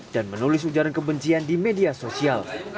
menulis ujaran kebencian di media sosial